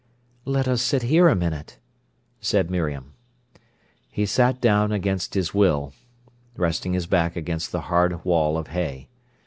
"Let us sit here a minute," said Miriam. He sat down against his will, resting his back against the hard wall of hay.